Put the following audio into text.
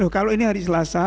kalau ini hari selasa